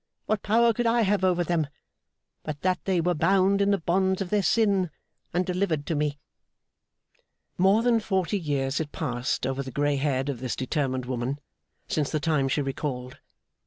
What power could I have over them, but that they were bound in the bonds of their sin, and delivered to me!' More than forty years had passed over the grey head of this determined woman, since the time she recalled.